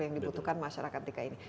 yang dibutuhkan masyarakat dki ini